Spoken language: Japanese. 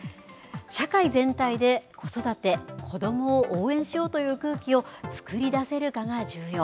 社会全体で子育て、子どもを応援しようという空気を作り出せるかが重要。